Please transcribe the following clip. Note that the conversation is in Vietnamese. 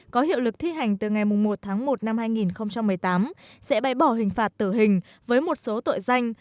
có hiệu lực thi hành từ ngày một tháng một năm hai nghìn một mươi tám sẽ bái bỏ hình phạt tử hình với một số tội danh